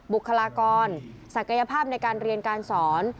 บุคลากรศักยภาพในการเรียนการสอน